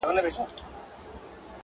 زلزله به یې په کور کي د دښمن سي!